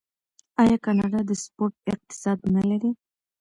آیا کاناډا د سپورت اقتصاد نلري؟